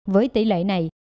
với tỷ lệ này